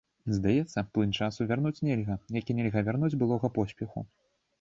Здаецца, плынь часу вярнуць нельга, як і нельга вярнуць былога поспеху.